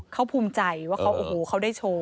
เขาภูมิใจว่าเขาได้โชว์